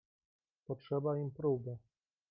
"Potrzeba im próby."